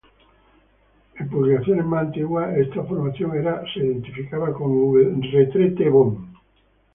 En publicaciones más antiguas esta formación era identificada como "W. C. Bond".